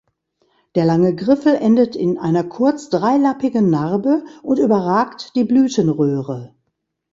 Der lange Griffel endet in einer kurz dreilappigen Narbe und überragt die Blütenröhre.